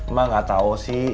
emak enggak tahu sih